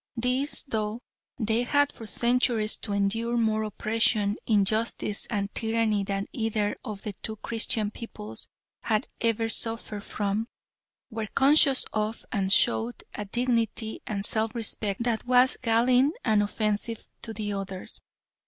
These, though they had for centuries to endure more oppression, injustice, and tyranny than either of the two Christian peoples had ever suffered from, were conscious of and showed a dignity and self respect that was galling and offensive to the others.